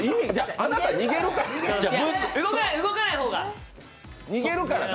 あなた、逃げるからな。